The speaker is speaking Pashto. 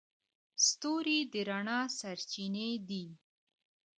ستوري د رڼا سرچینې دي.